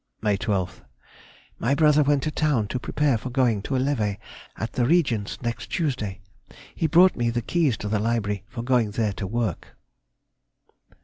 May 12th.—My brother went to town to prepare for going to a levée at the Regent's next Tuesday. He brought me the keys to the library for going there to work.